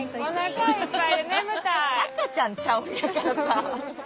赤ちゃんちゃうんやからさ。